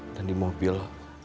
dan di mobil